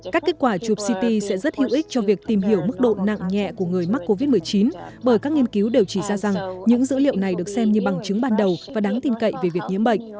các kết quả chụp ct sẽ rất hữu ích cho việc tìm hiểu mức độ nặng nhẹ của người mắc covid một mươi chín bởi các nghiên cứu đều chỉ ra rằng những dữ liệu này được xem như bằng chứng ban đầu và đáng tin cậy về việc nhiễm bệnh